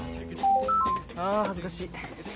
あ恥ずかしい！